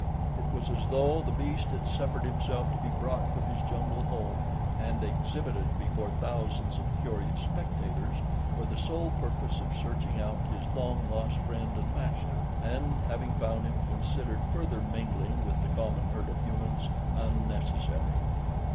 It was as though the beast had suffered himself to be brought from his jungle home and exhibited before thousands of curious spectators for the sole purpose of searching out his long lost friend and master, and, having found him, considered further mingling with the common herd of humans unnecessary.